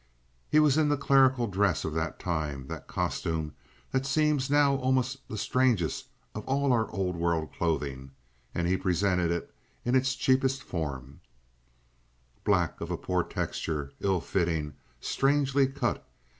He was in the clerical dress of that time, that costume that seems now almost the strangest of all our old world clothing, and he presented it in its cheapest form—black of a poor texture, ill fitting, strangely cut.